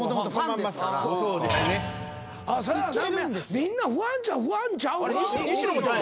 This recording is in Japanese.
みんなファンっちゃファンちゃうか？